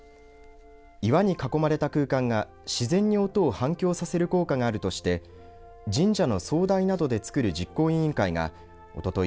岩に囲まれた空間が自然に音を反響させる効果があるとして神社の総代などでつくる実行委員会がおととい